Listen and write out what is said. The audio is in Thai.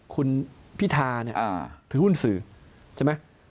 คุณพิธาเนี่ยถือหุ้นสื่อใช่ไหม